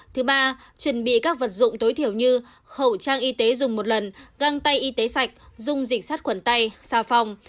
thứ ba chuẩn bị các vật dụng tối thiểu như khẩu trang y tế dùng một lần găng tay y tế sạch dung dịch sát khuẩn tay xà phòng